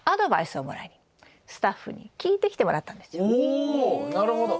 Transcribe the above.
おなるほど。